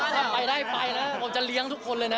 ถ้าไปได้ไปนะผมจะเลี้ยงทุกคนเลยนะ